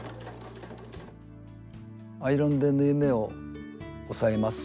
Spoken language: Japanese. アイロンで縫い目を押さえます。